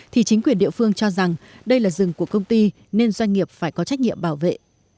thì chính quyền địa phương cho rằng đây là rừng của công ty nên doanh nghiệp phải có trách nhiệm bảo vệ